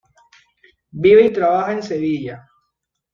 Vive y trabaja en Sevilla.